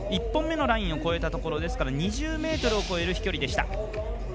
１本目のラインを越えたところ２０ｍを超える飛距離。